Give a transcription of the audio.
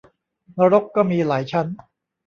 นรกก็มีหลายชั้น